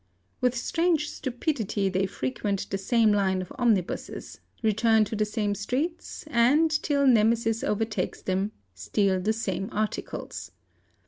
With strange stupidity they frequent the same line of omnibuses, return to the same streets, and, till nemesis overtakes them, steal the same articles.